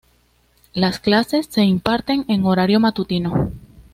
Las clases se imparten en horario matutino.